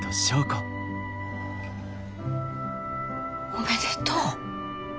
おめでとう。